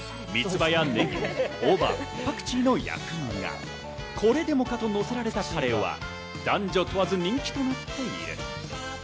三つ葉やネギ、大葉、パクチーの薬味がこれでもかとのせられたカレーは男女問わず人気となっている。